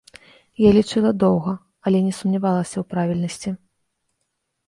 Я лічыла доўга, але не сумнявалася ў правільнасці.